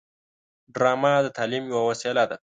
ډرامه د تعلیم یوه وسیله ده